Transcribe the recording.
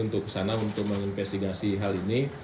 untuk ke sana untuk menginvestigasi hal ini